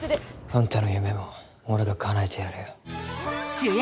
あんたの夢も俺がかなえてやるよ